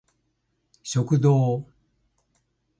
食堂